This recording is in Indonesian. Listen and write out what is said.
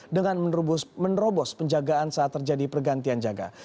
dengan menerobos penjagaan saat terjadi pergantian jaga